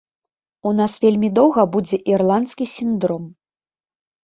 У нас вельмі доўга будзе ірландскі сіндром.